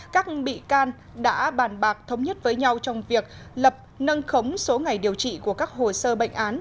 các bị can đã bàn bạc thống nhất với nhau trong việc lập nâng khống số ngày điều trị của các hồ sơ bệnh án